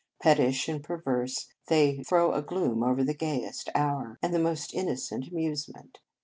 Pettish and perverse, they throw a gloom over the gayest hour, and the most innocent amusement.